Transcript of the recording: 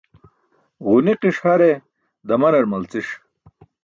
Ġuniqiṣ hare damanar malci̇ṣ.